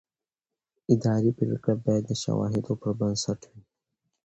اداري پرېکړه باید د شواهدو پر بنسټ وي.